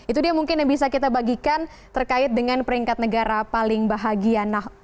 itu dia mungkin yang bisa kita bagikan terkait dengan peringkat negara paling bahagia